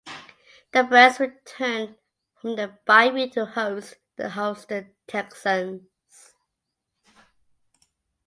The Browns returned from their bye week to host the Houston Texans.